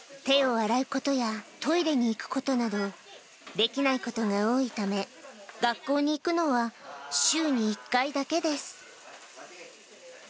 手を洗うことや、トイレに行くことなど、できないことが多いため、学校に行くのは週に１回だけです。